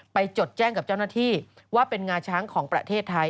จดแจ้งกับเจ้าหน้าที่ว่าเป็นงาช้างของประเทศไทย